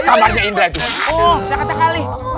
kamarnya indra itu